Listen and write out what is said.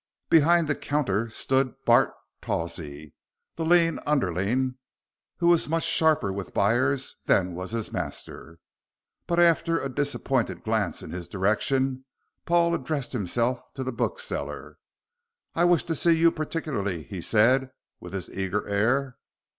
Behind the counter stood Bart Tawsey, the lean underling, who was much sharper with buyers than was his master, but after a disappointed glance in his direction Paul addressed himself to the bookseller. "I wish to see you particularly," he said, with his eager air.